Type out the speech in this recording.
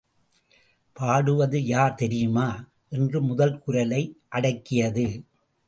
பாடுவது யார்தெரியுமா? என்று முதல் குரலை அடக்கியது.